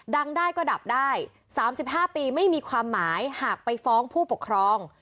ได้ก็ดับได้๓๕ปีไม่มีความหมายหากไปฟ้องผู้ปกครอง